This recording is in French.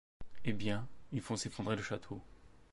Eh bien, ils font s'effondrer le château...